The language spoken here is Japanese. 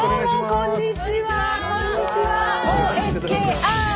こんにちは。